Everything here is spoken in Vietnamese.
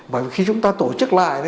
và khi chúng ta tổ chức lại